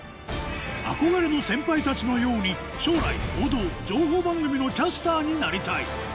憧れの先輩たちのように将来報道・情報番組のキャスターになりたい！